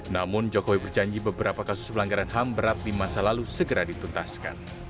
namun jokowi berjanji beberapa kasus pelanggaran ham berat di masa lalu segera dituntaskan